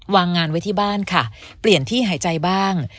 วางงานไว้ที่บ้านค่ะเปลี่ยนที่หายใจบ้าง